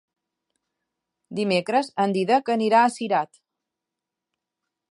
Dimecres en Dídac anirà a Cirat.